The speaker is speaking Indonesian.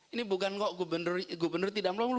ini bukan kok gubernur tidak melulu